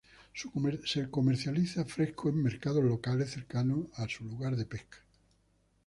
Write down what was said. Se comercializa fresco en mercados locales cercanos a su lugar de pesca.